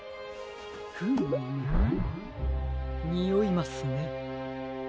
フームにおいますね。